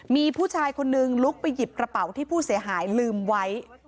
มีผู้ชายคนนึงลุกไปหยิบกระเป๋าที่ผู้เสียหายลืมไว้